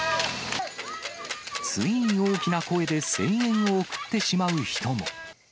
つい大きな声で声援を送ってしまう人も。